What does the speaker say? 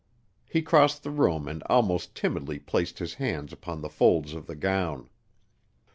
He crossed the room and almost timidly placed his hands upon the folds of the gown.